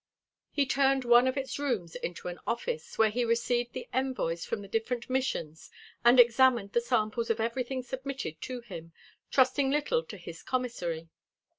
He turned one of its rooms into an office, where he received the envoys from the different Missions and examined the samples of everything submitted to him, trusting little to his commissary.